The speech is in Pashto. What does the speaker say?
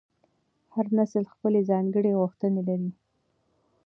هر نسل خپلې ځانګړې غوښتنې لري.